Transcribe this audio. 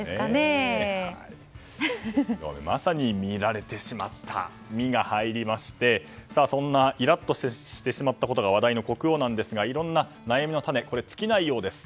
１行目見られてしまった「ミ」が入りましてイラッとしてしまったことが話題の国王ですがいろんな悩みの種尽きないようです。